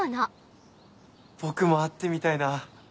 僕も会ってみたいな。